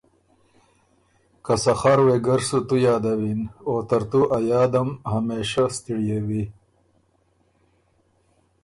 که سخر وېګه ر سُو تُو یادَوِن، او ترتُو ا یادم همېشۀ ستِړیېوی